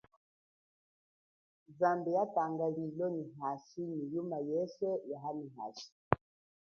Zambi ya tanga lilo nyi hashi nyi yuma yeswe ya hano hashi.